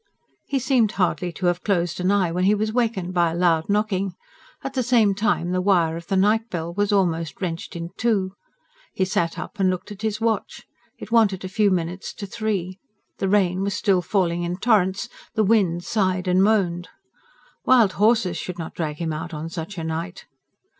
He seemed hardly to have closed an eye when he was wakened by a loud knocking; at the same time the wire of the night bell was almost wrenched in two. He sat up and looked at his watch. It wanted a few minutes to three; the rain was still falling in torrents, the wind sighed and moaned. Wild horses should not drag him out on such a night!